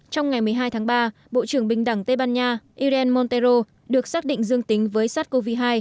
trong ngày một mươi hai tháng ba bộ trưởng bình đẳng tây ban nha iren montero được xác định dương tính với sars cov hai